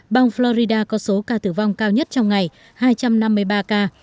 bang florida có số ca tử vong cao nhất trong ngày hai trăm năm mươi ba ca